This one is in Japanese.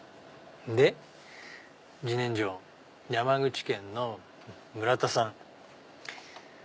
で自然薯山口県の村田さん。